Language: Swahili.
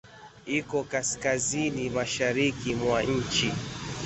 Iko Kaskazini mashariki mwa nchi.